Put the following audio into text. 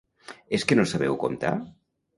És que no sabeu comptar?